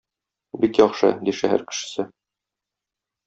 Бик яхшы! - ди шәһәр кешесе.